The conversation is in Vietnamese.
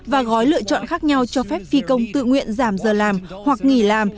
và gói lựa chọn khác nhau cho phép phi công tự nguyện giảm giờ làm hoặc nghỉ làm